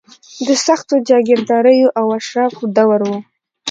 د سختو جاګیرداریو او اشرافو دور و.